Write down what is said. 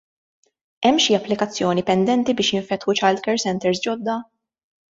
Hemm xi applikazzjoni pendenti biex jinfetħu childcare centres ġodda?